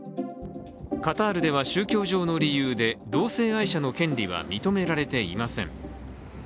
カタールでは宗教上の理由で同性愛者の権利は認められていません。